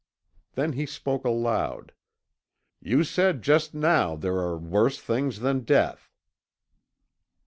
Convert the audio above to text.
Then he spoke aloud. "You said just now there are worse things than death."